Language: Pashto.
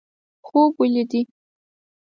خوب ولیدي.